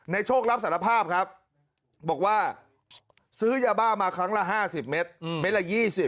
โชครับสารภาพครับบอกว่าซื้อยาบ้ามาครั้งละ๕๐เมตรเม็ดละ๒๐